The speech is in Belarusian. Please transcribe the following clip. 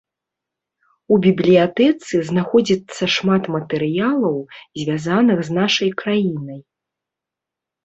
У бібліятэцы знаходзіцца шмат матэрыялаў, звязаных з нашай краінай.